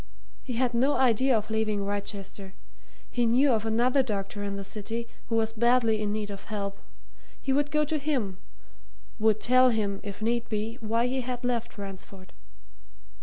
He had no idea of leaving Wrychester he knew of another doctor in the city who was badly in need of help: he would go to him would tell him, if need be, why he had left Ransford.